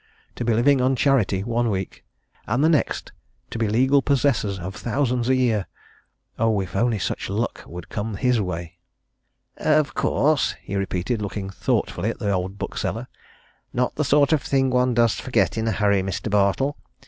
To be living on charity one week and the next to be legal possessors of thousands a year! oh, if only such luck would come his way! "Of course!" he repeated, looking thoughtfully at the old bookseller. "Not the sort of thing one does forget in a hurry, Mr. Bartle.